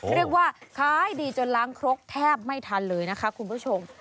เรียกว่าขายดีจนล้างครกแทบไม่ทันเลยนะคะคุณผู้ชม